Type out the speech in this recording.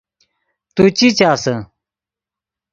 تو چی چاسے